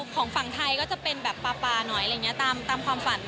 ของฝั่งไทยก็จะเป็นแบบปลาหน่อยอะไรอย่างนี้ตามความฝัน